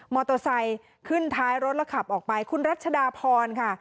เตอร์ไซค์ขึ้นท้ายรถแล้วขับออกไปคุณรัชดาพรค่ะ